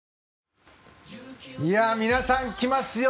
皆さん、来ますよ。